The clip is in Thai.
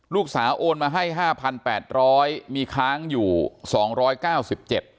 โอนมาให้ห้าพันแปดร้อยมีค้างอยู่สองร้อยเก้าสิบเจ็ด